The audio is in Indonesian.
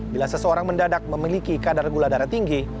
bila seseorang mendadak memiliki kadar gula darah tinggi